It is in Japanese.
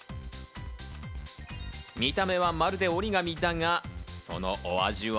見た目はまるで折り紙だが、そのお味は？